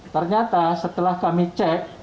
ternyata setelah kami cek